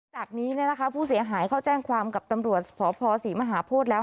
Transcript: จากนี้ผู้เสียหายเขาแจ้งความกับตำรวจสพศรีมหาโพธิแล้ว